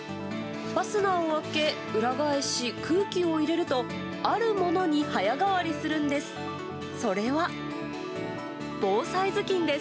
ファスナーを開け裏返し、空気を入れるとあるものに早変わりするんです。